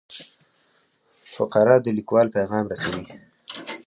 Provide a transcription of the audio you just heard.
فقره د لیکوال پیغام رسوي.